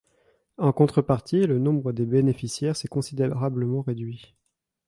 En contrepartie, le nombre des bénéficiaires s'est considérablement réduit.